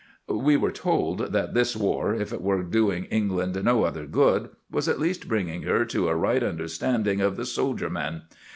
We were told that this war, if it were doing England no other good, was at least bringing her to a right understanding of the soldier man.